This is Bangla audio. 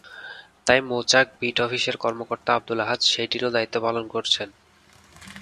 তাই মৌচাক বিট অফিসের কর্মকর্তা আবদুল আহাদ সেটিরও দায়িত্ব পালন করছেন।